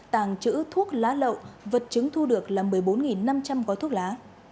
tàng trữ thuốc lá lậu vật chứng thu được là một mươi bốn năm trăm linh gói thuốc lá